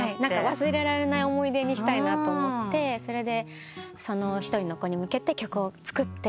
忘れられない思い出にしたいなと思ってそれで一人の子に向けて曲を作って。